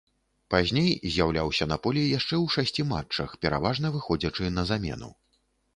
Пазней з'яўляўся на полі яшчэ ў шасці матчах, пераважна выходзячы на замену.